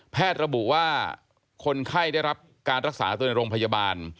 ระบุว่าคนไข้ได้รับการรักษาตัวในโรงพยาบาล